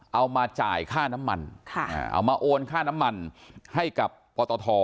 เอามาจ่ายค่าน้ำมันเอามาโอนค่าน้ำมันให้กับปตท